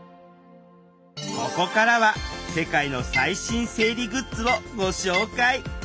ここからは世界の最新生理グッズをご紹介！